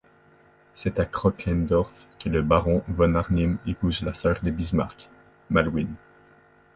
C'est à Kröchlendorff que le baron von Arnim épouse la sœur de Bismarck, Malwine.